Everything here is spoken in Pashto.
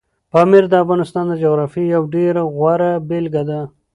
پامیر د افغانستان د جغرافیې یوه ډېره غوره بېلګه ده.